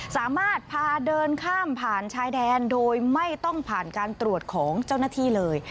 สามารถพาเดินข้ามผ่านชายแดนโดยไม่ต้องผ่านการตรวจของเจ้าหน้าที่เลย